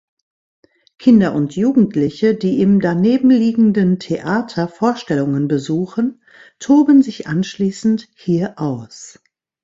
Kinder und Jugendliche, die im danebenliegenden Theater Vorstellungen besuchen, toben sich anschließend hier aus.